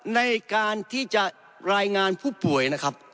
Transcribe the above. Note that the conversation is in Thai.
ในการที่จะรายงานผู้ป่วยนะครับ